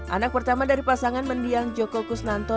anak pertama dari pasangan mendiang joko kusnanto